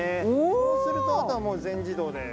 そうするとあとはもう全自動でーす。